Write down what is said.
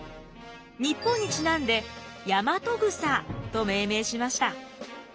日本にちなんでヤマトグサと命名しました。